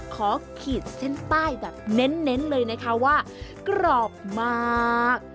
ขีดเส้นใต้แบบเน้นเลยนะคะว่ากรอบมาก